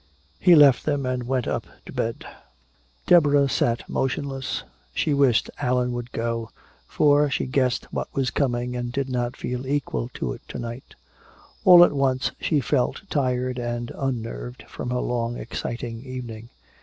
He left them and went up to bed. Deborah sat motionless. She wished Allan would go, for she guessed what was coming and did not feel equal to it to night. All at once she felt tired and unnerved from her long exciting evening.